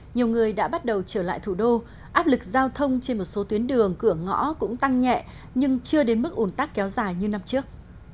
nhiều người đã bắt đầu trở lại thủ đô áp lực giao thông trên một số tuyến đường cửa ngõ cũng tăng nhẹ nhưng chưa đến mức ổn tắc kéo dài như năm trước